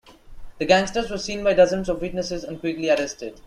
The gangsters were seen by dozens of witnesses and quickly arrested.